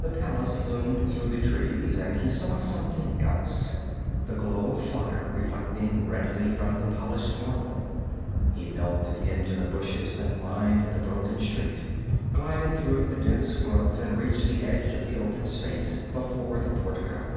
The palace loomed through the trees, and he saw something else the glow of fire reflecting redly from the polished marble. He melted into the bushes that lined the broken street, glided through the dense growth and reached the edge of the open space before the portico.